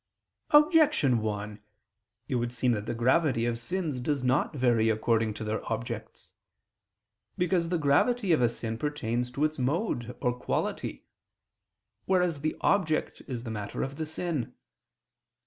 Objection 1: It would seem that the gravity of sins does not vary according to their objects. Because the gravity of a sin pertains to its mode or quality: whereas the object is the matter of the sin.